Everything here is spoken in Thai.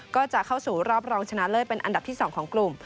ก็จะเข้าสู่รอบรองชนะเลิศเป็นอันดับที่๒ของกลุ่ม